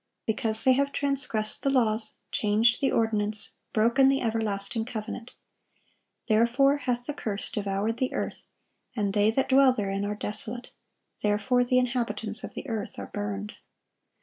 "Because they have transgressed the laws, changed the ordinance, broken the everlasting covenant. Therefore hath the curse devoured the earth, and they that dwell therein are desolate: therefore the inhabitants of the earth are burned."